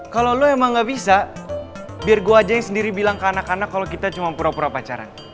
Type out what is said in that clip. kalau lo emang gak bisa biar gue ajain sendiri bilang ke anak anak kalau kita cuma pura pura pacaran